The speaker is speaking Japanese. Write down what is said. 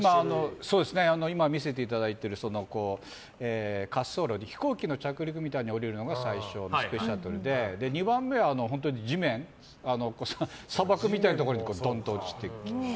今、見せていただいている滑走路に飛行機の着陸みたいに降りるのが最初の「スペースシャトル」で２番目は地面砂漠みたいなところにドンと落ちていく。